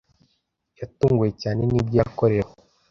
yatunguwe cyane nibyo yakorewe